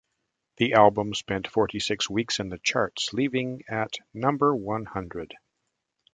The album spent forty-six weeks in the charts, leaving at number one hundred.